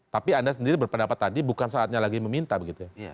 tapi anda sendiri berpendapat tadi bukan saatnya lagi meminta begitu ya